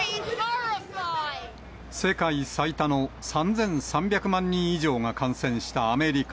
世界最多の３３００万人以上が感染したアメリカ。